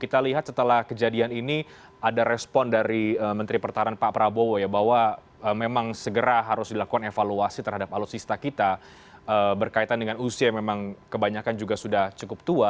kita lihat setelah kejadian ini ada respon dari menteri pertahanan pak prabowo ya bahwa memang segera harus dilakukan evaluasi terhadap alutsista kita berkaitan dengan usia yang memang kebanyakan juga sudah cukup tua